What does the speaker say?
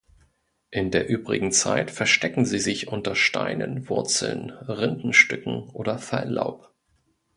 In der übrigen Zeit verstecken sie sich unter Steinen, Wurzeln, Rindenstücken oder Falllaub.